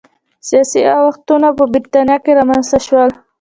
سیاسي اوښتونونه په برېټانیا کې رامنځته شول.